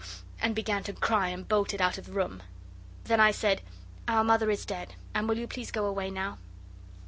and began to cry, and bolted out of the room. Then I said, 'Our Mother is dead, and will you please go away now?